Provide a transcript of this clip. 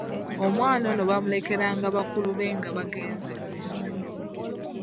Omwana ono bamulekera nga bakulu be nga bagenze mu nnimiro.